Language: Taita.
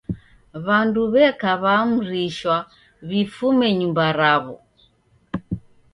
W'andu w'eka w'aamrishwa w'ifume nyumba raw'o.